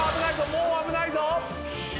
もう危ないぞ！